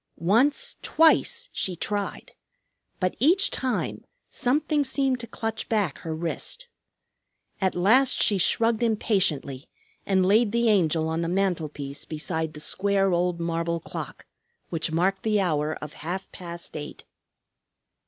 Once, twice, she tried. But each time something seemed to clutch back her wrist. At last she shrugged impatiently and laid the Angel on the mantelpiece beside the square old marble clock, which marked the hour of half past eight.